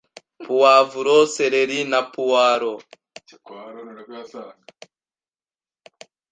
puwavuro, sereri, na puwaro